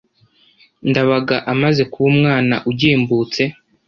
Ndabaga amaze kuba umwana ugimbutse